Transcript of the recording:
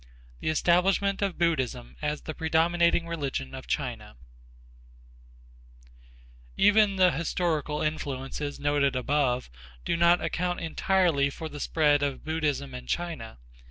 III THE ESTABLISHMENT OF BUDDHISM AS THE PREDOMINATING RELIGION OF CHINA Even the historical influences noted above do not account entirely for the spread of Buddhism in China.